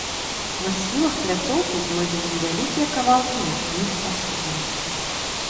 На схілах пляцоўкі знойдзены невялікія кавалкі ляпных пасудзін.